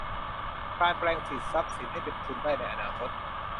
การแปลงสิทธิทรัพย์สินให้เป็นทุนได้ในอนาคต